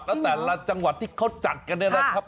แล้วแต่ละจังหวัดที่เขาจัดกันเนี่ยนะครับ